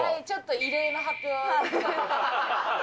ちょっと異例な発表。